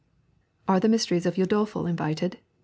'Are the Mysteries of Udolpho invited?'